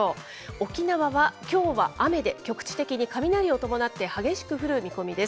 沖縄はきょうは雨で、局地的に雷を伴って激しく降る見込みです。